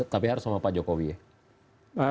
tapi harus sama pak jokowi ya